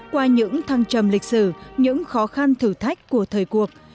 qua những thăng trầm lịch sử những khó khăn thử thách của thời cuộc